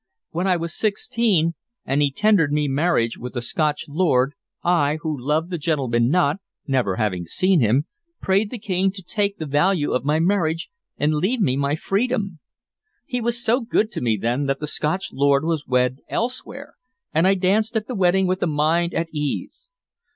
When I was sixteen, and he tendered me marriage with a Scotch lord, I, who loved the gentleman not, never having seen him, prayed the King to take the value of my marriage and leave me my freedom. He was so good to me then that the Scotch lord was wed elsewhere, and I danced at the wedding with a mind at ease.